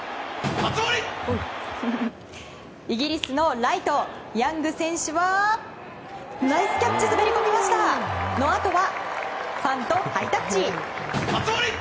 イギリスのライト、ヤング選手はナイスキャッチ滑り込んだあとはスタンドのファンとハイタッチ。